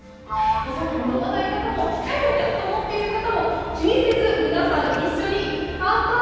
お酒を飲まない方も控えなきゃと思っている方も気にせず皆さん一緒に乾杯！